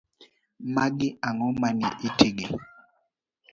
Magi ang'o manie itigi.